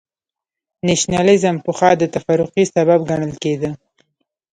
نېشنلېزم پخوا د تفرقې سبب ګڼل کېده.